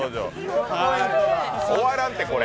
終わらんって、これ。